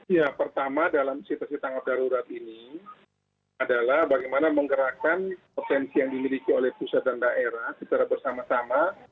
ya pertama dalam situasi tanggap darurat ini adalah bagaimana menggerakkan potensi yang dimiliki oleh pusat dan daerah secara bersama sama